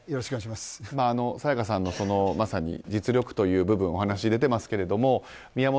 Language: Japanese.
沙也加さんの実力という部分お話に出ていますが宮本亞